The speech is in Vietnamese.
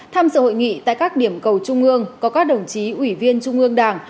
tham dự hội nghị tại các điểm cầu trung ương có các đồng chí ủy viên trung ương đảng